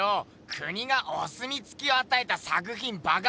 国がおすみつきをあたえた作品ばかり。